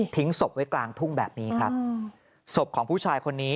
ศพไว้กลางทุ่งแบบนี้ครับศพของผู้ชายคนนี้